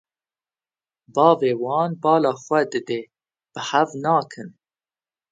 Bavê wan bala xwe didê, bi hev nakin.